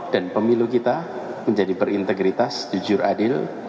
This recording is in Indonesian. dan pemilu kita menjadi berintegritas jujur adil